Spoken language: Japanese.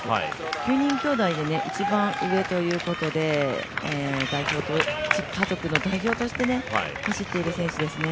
９人きょうだいで一番上ということで家族の代表として走っている選手ですね。